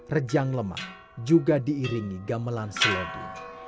rejang lemah juga diiringi gamelan seledi